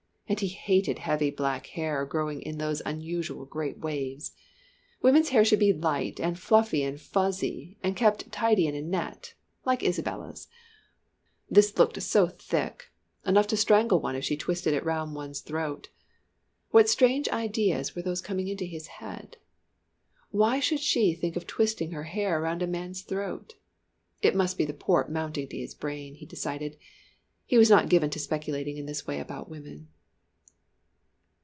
And he hated heavy black hair growing in those unusual great waves. Women's hair should be light and fluffy and fuzzy, and kept tidy in a net like Isabella's. This looked so thick enough to strangle one, if she twisted it round one's throat. What strange ideas were those coming into his head? Why should she think of twisting her hair round a man's throat? It must be the port mounting to his brain, he decided he was not given to speculating in this way about women.